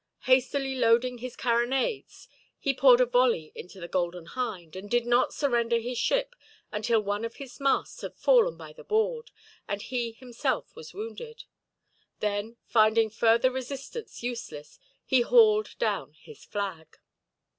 Hastily loading his carronades, he poured a volley into the Golden Hind, and did not surrender his ship until one of his masts had fallen by the board, and he himself was wounded. Then, finding further resistance useless, he hauled down his flag.